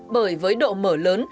bởi với độ mở lớn